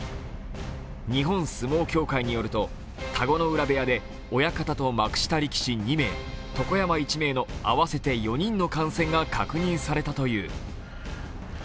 日本相撲協会によると田子ノ浦部屋で親方と幕下力士２名、床山１名の合わせて４人の感染が確認されたという。